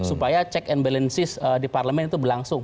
supaya check and balances di parlemen itu berlangsung